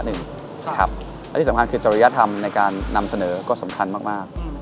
และที่สำคัญคือจริยธรรมในการนำเสนอก็สำคัญมาก